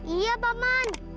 iya pak man